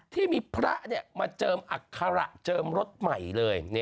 ที่มีพระมาเจิมอัคระเจิมรถใหม่เลย